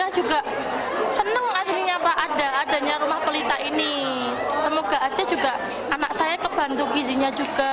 menjadi program baru yang lebih dekat dengan warga